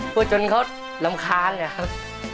พูดจนเขารำคาญนะครับ